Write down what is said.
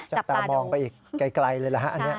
จับตามองไปไกลเลยเหรอฮะ